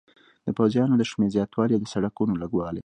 د پوځیانو د شمېر زیاتوالی او د سړکونو لږوالی.